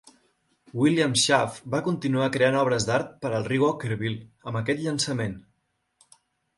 William Schaff va continuar creant obres d'art per al riu Okkervil amb aquest llançament.